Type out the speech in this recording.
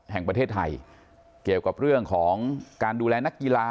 แห่งประเทศไทยเกี่ยวกับเรื่องของการดูแลนักกีฬา